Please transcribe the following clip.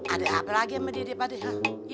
ada apa lagi sama dia pak haji